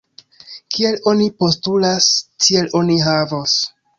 Kiel oni postulas, tiel oni havos!